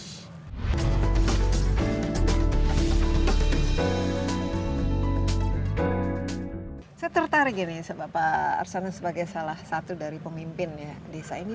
saya tertarik nih sebab pak arsana sebagai salah satu dari pemimpin desa ini